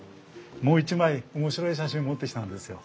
もう一枚面白い写真持ってきたんですよ。